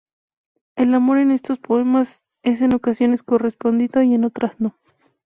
El amor en estos poemas es en ocasiones correspondido y en otras no.